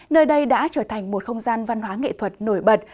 nơi đây đã trở thành một không gian văn hóa nghệ thuật nổi bật